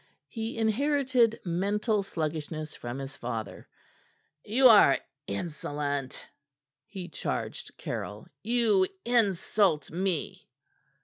He inherited mental sluggishness from his father. "You are insolent!" he charged Caryll. "You insult me."